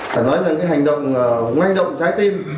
phải nói rằng cái hành động ngay động trái tim